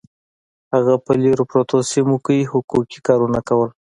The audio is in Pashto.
هغه په لرې پرتو سیمو کې حقوقي کارونه کول